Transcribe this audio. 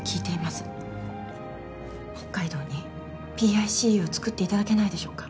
「北海道にＰＩＣＵを作っていただけないでしょうか」